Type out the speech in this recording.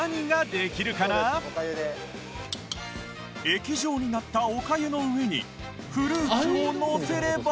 液状になったおかゆの上にフルーツをのせれば